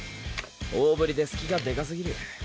大振りで隙がでかすぎる。